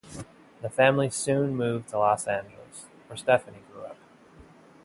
The family soon moved to Los Angeles, where Stephanie grew up.